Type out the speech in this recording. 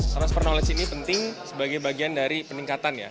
terus pernowledge ini penting sebagai bagian dari peningkatan ya